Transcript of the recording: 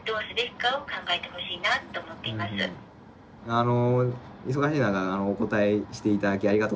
あの忙しい中お答えしていただきありがとうございました。